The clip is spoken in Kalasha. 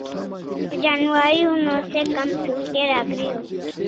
Janwari una se computer agre aw